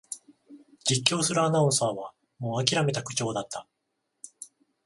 実況するアナウンサーはもうあきらめた口調だった